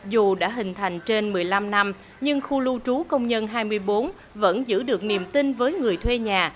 dù đã hình thành trên một mươi năm năm nhưng khu lưu trú công nhân hai mươi bốn vẫn giữ được niềm tin với người thuê nhà